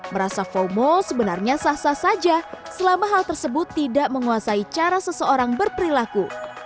merasa fomo sebenarnya sah sah saja selama hal tersebut tidak menguasai cara seseorang berperilaku